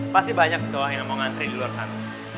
pasti banyak tuhan yang mau ngantri di luar sana